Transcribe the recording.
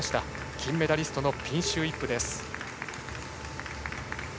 金メダリストのピンシュー・イップです。